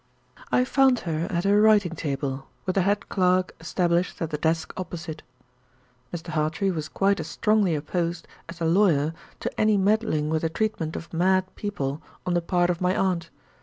I found her at her writing table, with the head clerk established at the desk opposite. Mr. Hartrey was quite as strongly opposed as the lawyer to any meddling with the treatment of mad people on the part of my aunt.